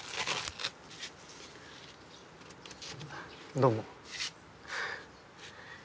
どうも。